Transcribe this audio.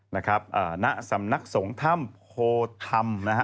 นะครับณสำนักสงฆ์ถ้ำโพธรรมนะฮะ